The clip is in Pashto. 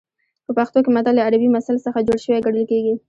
په پښتو کې متل له عربي مثل څخه جوړ شوی ګڼل کېږي